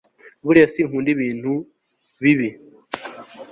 buriya sinkunda ibinti bibi